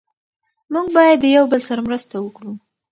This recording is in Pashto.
موږ باید د یو بل سره مرسته وکړو.